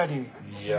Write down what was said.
いや。